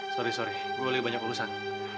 sorry sorry gue lagi banyak urusan